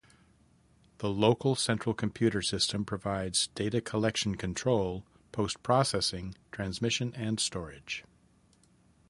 The local central computer system provides data collection control, post-processing, transmission and storage.